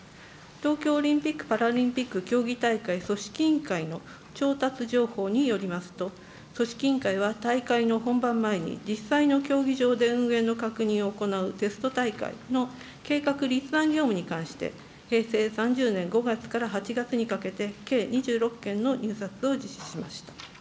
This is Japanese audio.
東京オリンピック・パラリンピック競技大会組織委員会の調達情報によりますと、組織委員会は大会の本番前に、実際の競技場で運営の確認を行うテスト大会の計画、立案業務に関して、平成３０年５月から８月にかけて、計２６件の入札を実施しました。